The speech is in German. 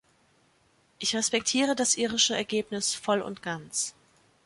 Ich respektiere das irische Ergebnis voll und ganz.